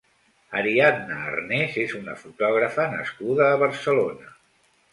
Ariadna Arnés és una fotògrafa nascuda a Barcelona.